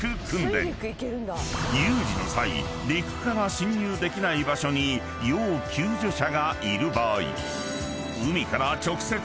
［有事の際陸から進入できない場所に要救助者がいる場合］